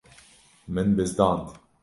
Min bizdand.